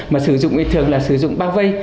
mà sử dụng thường là sử dụng bao vây